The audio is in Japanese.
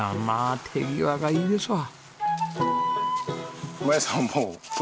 まあ手際がいいですわ。